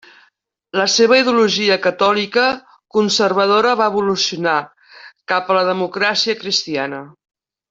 La seva ideologia catòlica conservadora va evolucionar cap a la democràcia cristiana.